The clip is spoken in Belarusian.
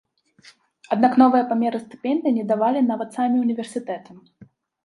Аднак новыя памеры стыпендый не ведалі нават самі ўніверсітэты.